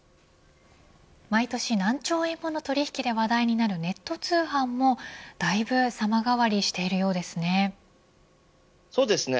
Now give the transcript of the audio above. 毎年何兆円もの取引で話題になるネット通販もだいぶ様変わりしているようですね。